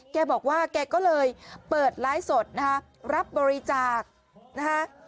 แกบอกว่าแกก็เลยเปิดไลฟ์สดนะคะรับบริจาคนะคะ